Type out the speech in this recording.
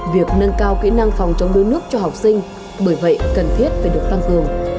việc nâng cao kỹ năng phòng chống đuối nước cho học sinh bởi vậy cần thiết phải được tăng cường